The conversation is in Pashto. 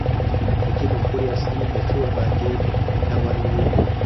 د دې مفکورې اصلي نچوړ په دې ډول و